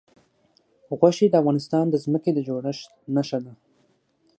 غوښې د افغانستان د ځمکې د جوړښت نښه ده.